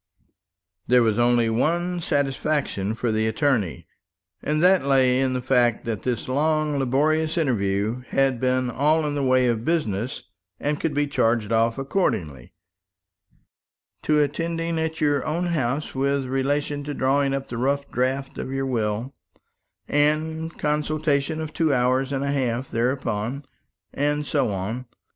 There was only one satisfaction for the attorney, and that lay in the fact that this long, laborious interview had been all in the way of business, and could be charged for accordingly: "To attending at your own house with relation to drawing up the rough draft of your will, and consultation of two hours and a half thereupon;" and so on.